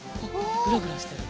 グラグラしてる。